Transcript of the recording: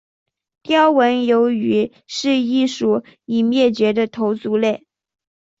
雕纹鱿鱼是一属已灭绝的头足类。